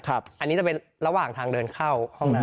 อันนี้จะเป็นระหว่างทางเดินเข้า